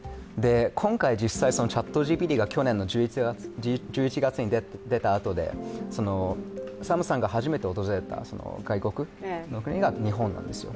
今回、実際ＣｈａｔＧＰＴが去年１１月に出たあとでサムさんが初めて訪れた外国の国が日本なんですよ。